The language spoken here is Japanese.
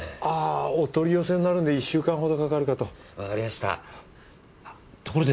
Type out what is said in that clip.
あお取り寄せになるんで１週間ほどかかるかと。